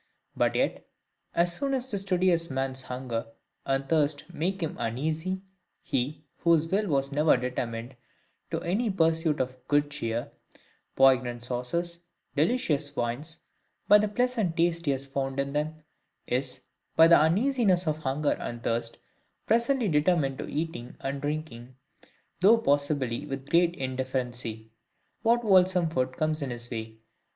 But yet, as soon as the studious man's hunger and thirst make him uneasy, he, whose will was never determined to any pursuit of good cheer, poignant sauces, delicious wine, by the pleasant taste he has found in them, is, by the uneasiness of hunger and thirst, presently determined to eating and drinking, though possibly with great indifferency, what wholesome food comes in his way.